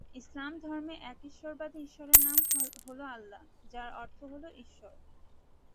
ইসলাম ধর্মে একেশ্বরবাদী ঈশ্বরের নাম হল আল্লাহ, যার অর্থ হল ঈশ্বর।